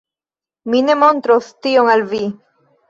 Mi ne montros tion al vi